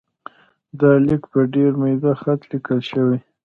دا لیک په ډېر میده خط لیکل شوی.